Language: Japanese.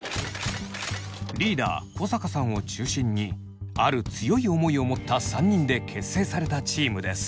リーダー小坂さんを中心にある強い思いを持った３人で結成されたチームです。